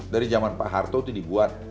dari zaman pak harto itu dibuat